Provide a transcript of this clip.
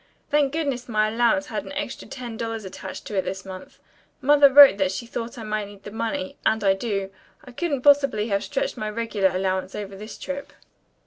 Thank goodness, my allowance had an extra ten dollars attached to it this month. Mother wrote that she thought I might need the money, and I do. I couldn't possibly have stretched my regular allowance over this trip."